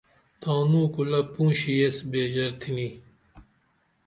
تانو کُلہ پونشی یس بیژر تِھنی